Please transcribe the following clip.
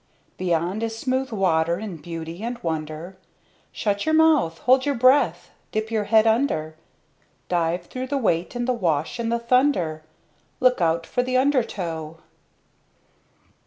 Beyond is smooth water in beauty and wonder Shut your mouth! Hold your breath! Dip your head under! Dive through the weight and the wash, and the thunder Look out for the undertow!